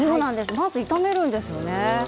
まず炒めるんですね。